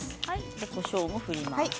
こしょうも振ります。